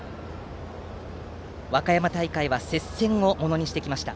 和歌山大会は接戦をものにしてきました。